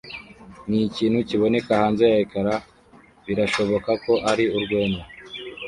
nikintu kiboneka hanze ya ecran - birashoboka ko ari urwenya